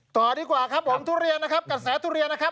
ต่อดีกว่าครับผมทุเรียนนะครับกระแสทุเรียนนะครับ